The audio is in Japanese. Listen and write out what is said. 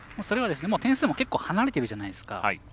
それは、点数も結構離れてるじゃないですか。